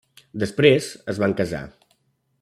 Després, es van casar.